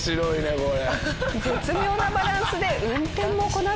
これ。